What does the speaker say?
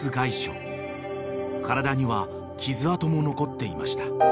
［体には傷痕も残っていました］